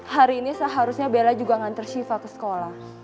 hari ini seharusnya bella juga ngantar syifa ke sekolah